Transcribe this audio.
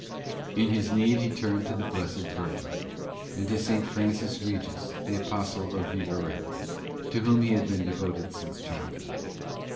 In his need he turned to the Blessed Virgin and to St. Francis Regis, the Apostle of Vivarais, to whom he had been devoted since childhood.